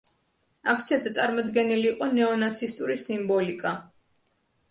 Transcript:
აქციაზე წარმოდგენილი იყო ნეონაცისტური სიმბოლიკა.